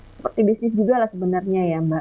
seperti bisnis juga lah sebenarnya ya mbak